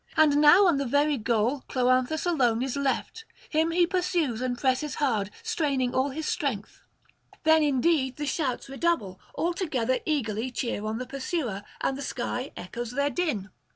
And now on the very goal Cloanthus alone is left; him he pursues and presses hard, straining all his strength. Then indeed the shouts redouble, as all together eagerly cheer on the pursuer, and [228 264]the sky echoes their din.